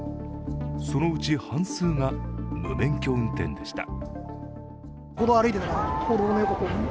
そのうち半数が無免許運転でした。